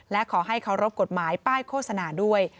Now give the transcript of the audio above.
และขอให้เคารพกฎหมายป้ายโฆษณาด้วย